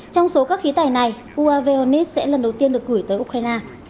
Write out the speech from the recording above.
trong số các khí tài này uav hornets sẽ lần đầu tiên được gửi tới ukraine